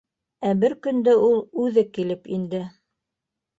Ә бер көндө ул үҙе килеп инде.